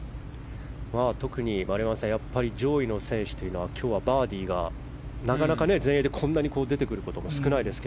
特に丸山さん上位の選手というのは今日はバーディーがなかなか全英でこんなに出てくることも少ないですが。